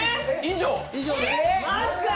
以上です。